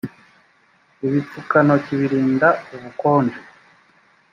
ibipfukantoki birinda ubukonje